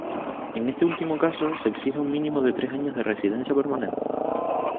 En este último caso, se exige un mínimo de tres años de residencia permanente.